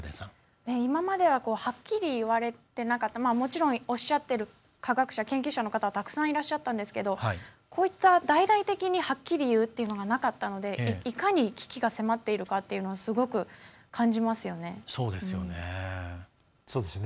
今までははっきり言われてなくてもちろん、おっしゃってる研究者の方は、たくさんいらっしゃったんですけどこういった大々的にはっきり言うっていうのがなかったのでいかに危機が迫っているかとすごく感じますよね。